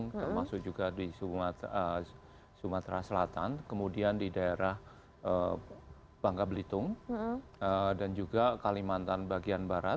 termasuk juga di sumatera selatan kemudian di daerah bangka belitung dan juga kalimantan bagian barat